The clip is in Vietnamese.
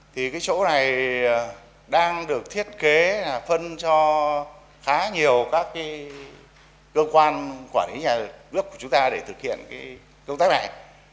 thì cái chỗ này đang được thiết kế phân cho khá nhiều các cơ quan quản lý nhà nước của chúng ta để thực hiện công tác này